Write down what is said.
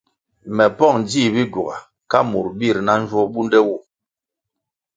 Mā pong djih Bigyuga ka murʼ birʼ na njwo bunde wu.